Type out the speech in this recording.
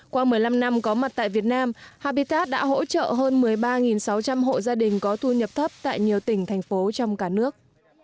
qua một mươi năm năm có mặt tại việt nam hapitad đã hỗ trợ hơn một mươi ba sáu trăm linh hộ gia đình có thu nhập thấp tại nhiều tỉnh thành phố trong cả nước